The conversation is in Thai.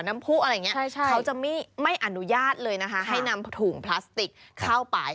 ไม่อนุญาตเลยนะคะให้นำถุงพลาสติกเข้าไป